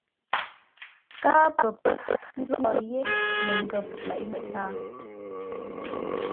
Káa pə pə́ nzóghʼə́ yé mənghə̂p leʼé mətǎa.